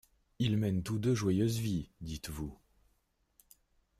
Ils mènent tous deux joyeuse vie, dites-vous.